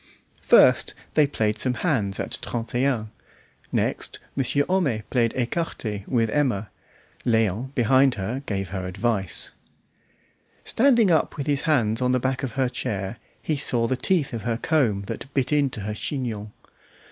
First they played some hands at trente et un; next Monsieur Homais played ecarte with Emma; Léon behind her gave her advice. Standing up with his hands on the back of her chair he saw the teeth of her comb that bit into her chignon.